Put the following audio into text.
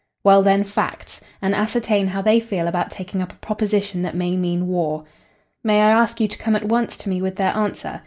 "Well, then, facts, and ascertain how they feel about taking up a proposition that may mean war. May I ask you to come at once to me with their answer.